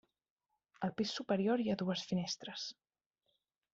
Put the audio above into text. Al pis superior hi ha dues finestres.